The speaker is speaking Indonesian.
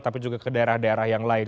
tapi juga ke daerah daerah yang lain